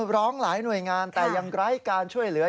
ร้องหลายหน่วยงานแต่ยังไร้การช่วยเหลือ